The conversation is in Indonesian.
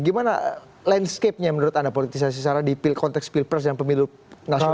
gimana landscape nya menurut anda politisasi sarah di konteks pilpres dan pemilu nasional